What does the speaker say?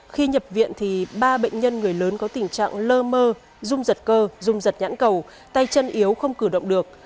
khi nhập viện thì ba bệnh nhân người lớn có tình trạng lơ mơ rung giật cơ dung giật nhãn cầu tay chân yếu không cử động được